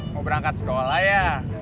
mau berangkat sekolah ya